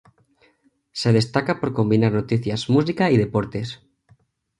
Se destaca por combinar noticias, música y deportes.